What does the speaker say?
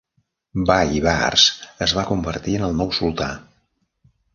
Bàybars es va convertir en el nou sultà.